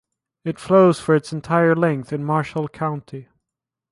It flows for its entire length in Marshall County.